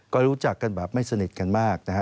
ก็รู้จักกันแบบไม่สนิทกันมากนะฮะ